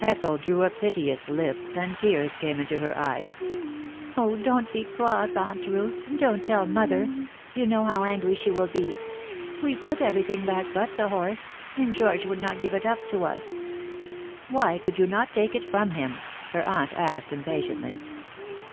Ethel drew a piteous lip and tears came into her eyes. "Oh, don't be cross, Aunt Ruth, and don't tell mother! You know how angry she will be. We put everything back but the horse, and George would not give it up to us." "Why could you not take it from him?" her aunt asked, impatiently.